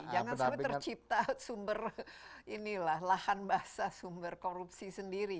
jangan sampai tercipta sumber inilah lahan basah sumber korupsi sendiri